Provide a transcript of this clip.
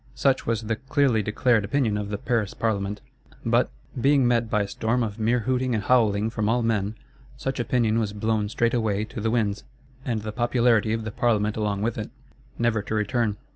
Such was the clearly declared opinion of the Paris Parlement. But, being met by a storm of mere hooting and howling from all men, such opinion was blown straightway to the winds; and the popularity of the Parlement along with it,—never to return.